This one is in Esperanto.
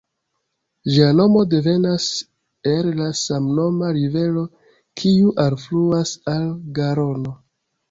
Ĝia nomo devenas el la samnoma rivero kiu alfluas al Garono.